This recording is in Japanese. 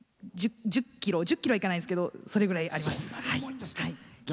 １０ｋｇはいかないですけどそれぐらいあります。